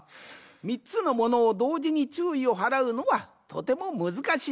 ３つのものをどうじにちゅういをはらうのはとてもむずかしい。